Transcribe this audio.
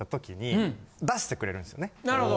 なるほど。